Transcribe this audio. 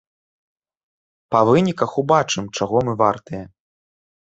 Па выніках убачым, чаго мы вартыя.